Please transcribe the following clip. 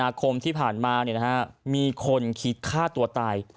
นาคมที่ผ่านมาเนี้ยนะฮะมีคนคิดฆาตตัวตาย